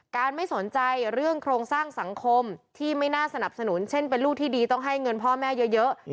ไม่สนใจเรื่องโครงสร้างสังคมที่ไม่น่าสนับสนุนเช่นเป็นลูกที่ดีต้องให้เงินพ่อแม่เยอะ